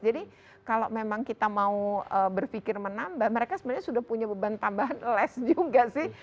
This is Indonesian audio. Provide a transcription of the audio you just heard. jadi kalau memang kita mau berpikir menambah mereka sebenarnya sudah punya beban tambahan les juga sih